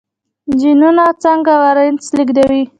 جینونه څنګه وراثت لیږدوي؟